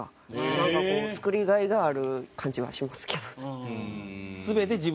なんか作り甲斐がある感じはしますけどね。